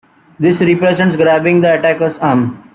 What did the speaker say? This represents grabbing the attacker's arm.